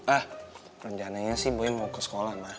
ah rencananya sih boy mau ke sekolah ma